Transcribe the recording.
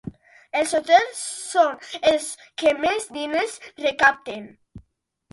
Els hotels són els que més diners recapten.